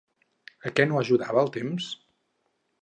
A què no ajudava el temps?